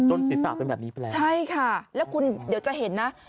ศีรษะเป็นแบบนี้ไปแล้วใช่ค่ะแล้วคุณเดี๋ยวจะเห็นนะ